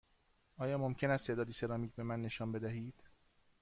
آیا ممکن است تعدادی سرامیک به من نشان بدهید؟